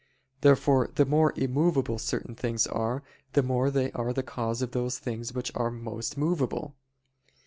Therefore the more immovable certain things are, the more are they the cause of those things which are most movable.